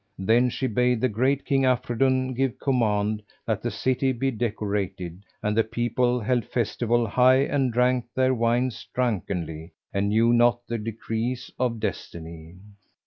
Then she bade the Great King, Afridun, give command that the city be decorated, and the people held festival high and drank their wines drunkenly and knew not the decrees of Destiny.